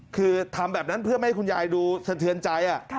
คือทำแบบนั้นเพื่อไม่ให้คุณยายดูสะเทือนใจ